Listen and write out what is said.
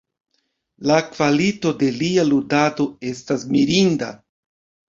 La kvalito de lia ludado estas mirinda.